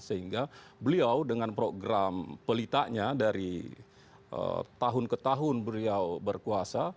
sehingga beliau dengan program pelitanya dari tahun ke tahun beliau berkuasa